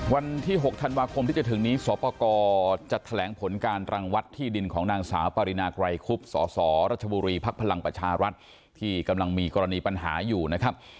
วันที่๖ธันวาคมที่จะถึงนี้สปกรจะแถลงผลการรังวัดที่ดินของนางสาวปรินาไกรคุบสสรัชบุรีภักดิ์พลังประชารัฐที่กำลังมีกรณีปัญหาอยู่นะครับ